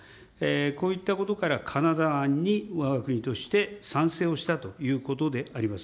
こういったことからカナダ案に、わが国として賛成をしたということであります。